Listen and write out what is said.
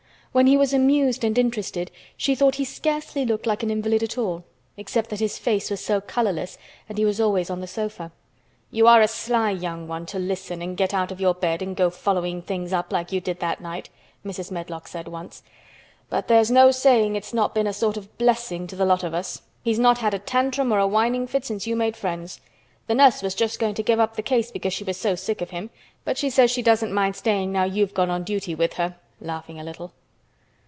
When he was amused and interested she thought he scarcely looked like an invalid at all, except that his face was so colorless and he was always on the sofa. "You are a sly young one to listen and get out of your bed to go following things up like you did that night," Mrs. Medlock said once. "But there's no saying it's not been a sort of blessing to the lot of us. He's not had a tantrum or a whining fit since you made friends. The nurse was just going to give up the case because she was so sick of him, but she says she doesn't mind staying now you've gone on duty with her," laughing a little.